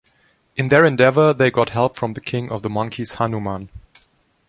In their endeavor they got help from the King of the Monkeys Hanuman.